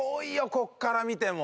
ここから見ても。